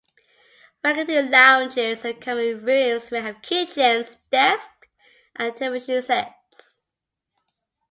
Faculty lounges and common rooms may have kitchens, desks, and television sets.